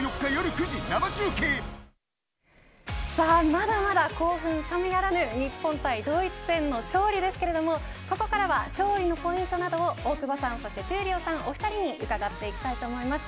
まだまだ興奮さめやらぬ日本対ドイツ戦の勝利ですけれどもここから勝利のポイントなどを大久保さん、そして闘莉王さんお二人に伺っていきたいと思います。